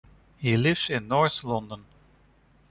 He lives in North London.